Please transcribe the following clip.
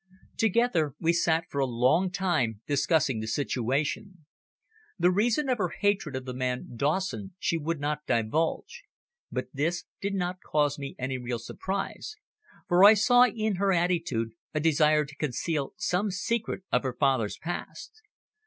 Together we sat for a long time discussing the situation. The reason of her hatred of the man Dawson she would not divulge, but this did not cause me any real surprise, for I saw in her attitude a desire to conceal some secret of her father's past.